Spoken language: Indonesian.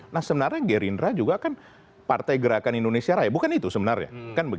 nah sebenarnya gerindra juga kan partai gerakan indonesia raya bukan itu sebenarnya